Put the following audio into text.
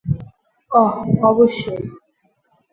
অহ, অবশ্যই।